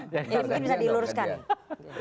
ya mungkin bisa diluruskan